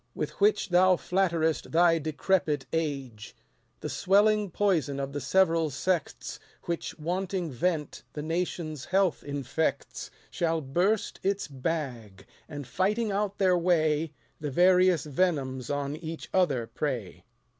With which thou flatterest thy decrepit age. The swelling poison of the several sects, Which, wanting vent, the nation's health infects, Shall burst its bag ; and, fighting out their way, The various venoms on each other prey.